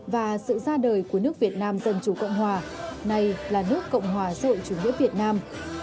và sự ra đời của nước việt nam dân chủ cộng hòa này là nước cộng hòa dội chủ nghĩa việt nam